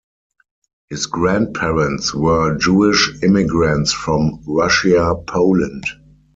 His grandparents were Jewish immigrants from Russia-Poland.